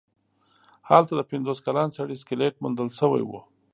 هلته د پنځوس کلن سړي سکلیټ موندل شوی و.